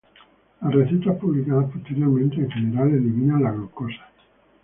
Las recetas publicadas posteriormente en general eliminan la glucosa.